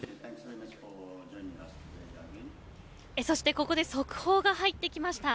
そしてここで速報が入ってきました。